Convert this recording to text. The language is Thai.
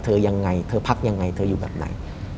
ยังไงเธอพักยังไงเธออยู่แบบไหน